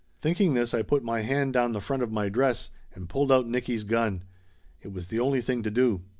Thinking this I put my hand down the front of my dress and pulled out Nicky's gun. It was the only thing to do.